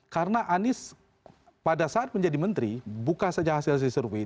karena anies pada saat menjadi menteri buka saja hasil hasil survei